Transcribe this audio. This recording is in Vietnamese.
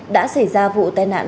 đã xảy ra vụ tai nạn